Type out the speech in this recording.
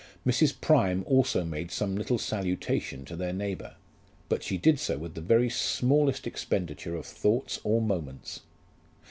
Mrs. Prime also made some little salutation to their neighbour; but she did so with the very smallest expenditure of thoughts or moments.